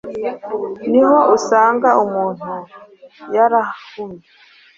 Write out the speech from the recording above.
ni ho usanga umuntu yarahumye,